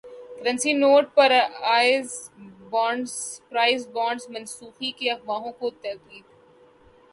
currency note prize bonds منسوخی کی افواہوں کی تردید